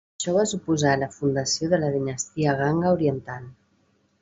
Això va suposar la fundació de la dinastia Ganga Oriental.